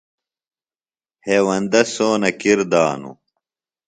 ہیوندہ سونہ کِر دانوۡ۔